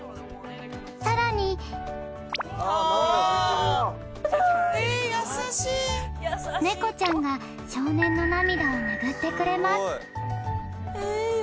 さらに猫ちゃんが少年の涙を拭ってくれます